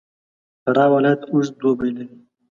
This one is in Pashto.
فراه ولایت اوږد دوبی لري.